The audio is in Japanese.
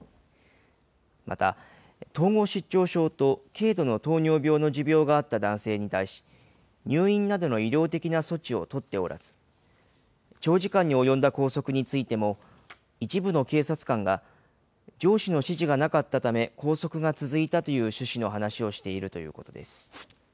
また、統合失調症と軽度の糖尿病の持病があった男性に対し、入院などの医療的な措置を取っておらず、長時間に及んだ拘束についても、一部の警察官が上司の指示がなかったため、拘束が続いたという趣旨の話をしているということです。